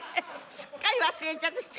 すっかり忘れちゃった。